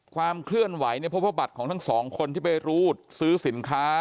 ความเคลื่อนไหวเนี่ยพบว่าบัตรของทั้งสองคนที่ไปรูดซื้อสินค้า